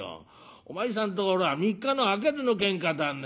お前さんところは三日のあげずのけんかだね。